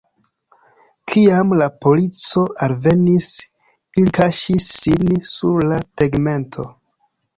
Kiam la polico alvenis, ili kaŝis sin sur la tegmento.